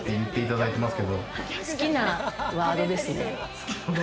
って好きなワードですね。